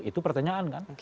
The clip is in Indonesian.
itu pertanyaan kan